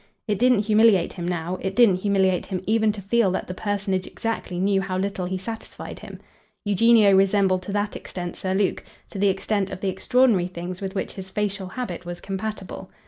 It didn't humiliate him now; it didn't humiliate him even to feel that that personage exactly knew how little he satisfied him. Eugenio resembled to that extent Sir Luke to the extent of the extraordinary things with which his facial habit was compatible.